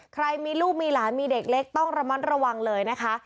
ใครมีลูกมีหลานมีเด็กเล็กต้องระมัดระวังเลยนะคะ